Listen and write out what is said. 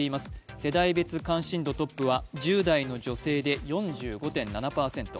世代別関心度トップは１０代の女性で４５．７％。